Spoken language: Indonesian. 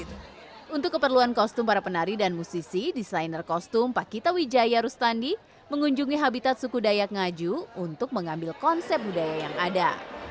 untuk keperluan kostum para penari dan musisi desainer kostum pakita wijaya rustandi mengunjungi habitat suku dayak ngaju untuk mengambil konsep budaya yang ada